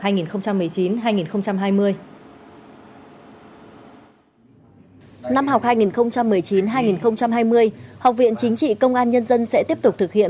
năm học hai nghìn một mươi chín hai nghìn hai mươi học viện chính trị công an nhân dân sẽ tiếp tục thực hiện